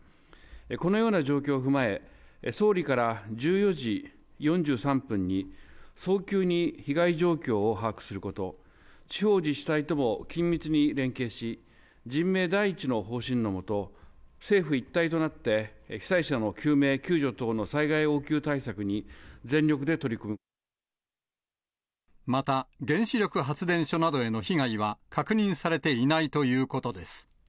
このような状況を踏まえ、総理から１４時４３分に、早急に被害状況を把握すること、地方自治体とも緊密に連携し、人命第一の方針のもと、政府一体となって被災者の救命救助等の災害応急対策に全力で取りまた、原子力発電所などへの被害は確認されていないということです。